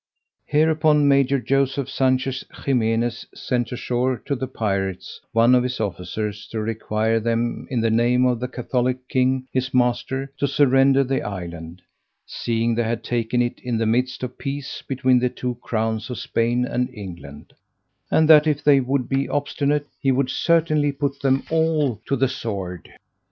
Hereupon, Major Joseph Sanchez Ximenez sent ashore to the pirates one of his officers to require them, in the name of the Catholic King his master, to surrender the island, seeing they had taken it in the midst of peace between the two crowns of Spain and England; and that if they would be obstinate, he would certainly put them all to the sword.